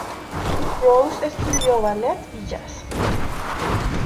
Rose estudió ballet y jazz.